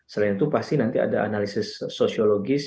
selain itu pasti nanti ada analisis sosiologis